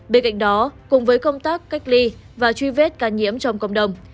bên cạnh đó cùng với công tác cách ly và truy vết ca nhiễm trong cộng đồng